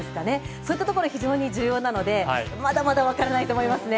そういったところ非常に重要なのでまだまだわからないと思いますね。